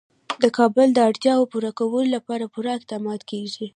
د کابل د اړتیاوو پوره کولو لپاره پوره اقدامات کېږي.